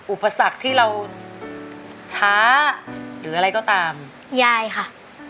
อุปสรรคที่เราช้าหรืออะไรก็ตามยายค่ะ